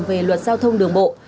về luật giao thông đường bộ